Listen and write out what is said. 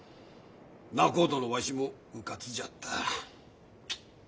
仲人のわしもうかつじゃった。